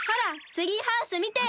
ツリーハウスみてよ！